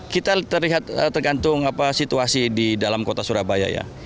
kita tergantung situasi di dalam kota surabaya ya